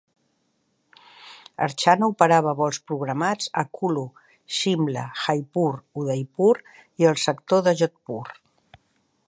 Archana operava vols programats a Kullu, Shimla, Jaipur, Udaipur i el sector de Jodhpur.